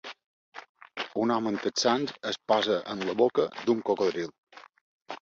Un home amb texans es posa en la boca d'un cocodril.